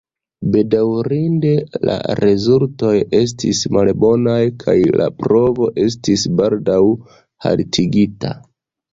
Bedaŭrinde la rezultoj estis malbonaj kaj la provo estis baldaŭ haltigita.